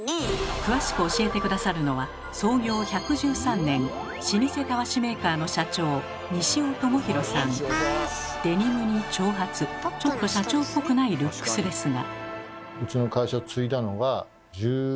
詳しく教えて下さるのは創業１１３年老舗たわしメーカーの社長デニムに長髪ちょっと社長っぽくないルックスですが。